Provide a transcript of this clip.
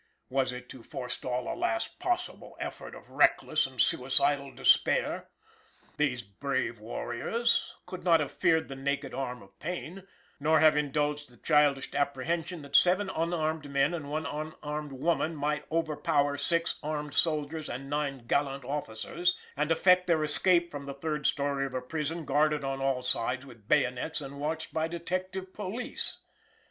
Was it to forestall a last possible effort of reckless and suicidal despair? These brave warriors could not have feared the naked arm of Payne, nor have indulged the childish apprehension that seven unarmed men and one unarmed woman might overpower six armed soldiers and nine gallant officers, and effect their escape from the third story of a prison guarded on all sides with bayonets and watched by detective police!